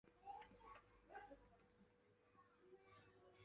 而泰郡王弘春一支则住在西直门内扒儿胡同。